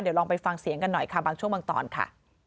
เดี๋ยวลองไปฟังเสียงกันหน่อยค่ะบางช่วงบางตอนค่ะ